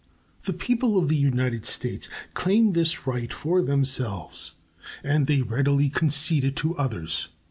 The people of the United States claim this right for themselves, and they readily concede it to others.